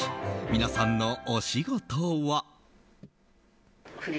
皆さんのお仕事は。